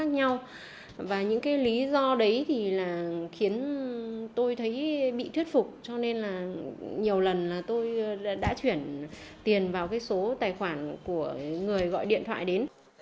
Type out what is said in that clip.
tôi thấy bị thuyết phục cho nên là nhiều lần là tôi đã chuyển tiền vào cái số tài khoản của người gọi điện thoại đến